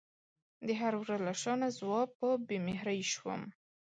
د هر وره له شانه ځواب په بې مهرۍ شوم